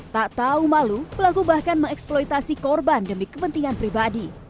tak tahu malu pelaku bahkan mengeksploitasi korban demi kepentingan pribadi